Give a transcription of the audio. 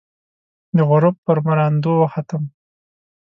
د غروب پر مراندو، وختم